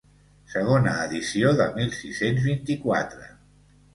Segona edició de mil sis-cents vint-i-quatre.